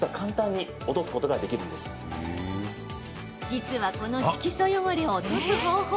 実は、この色素汚れを落とす方法